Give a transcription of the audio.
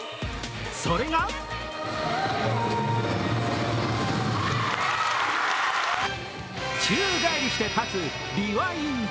それが宙返りして立つリワインド。